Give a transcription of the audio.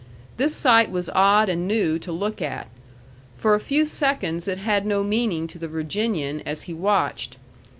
This sight was odd and new to look at. For a few seconds it had no meaning to the Virginian as he watched.